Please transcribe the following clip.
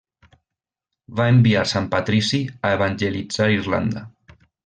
Va enviar sant Patrici a evangelitzar Irlanda.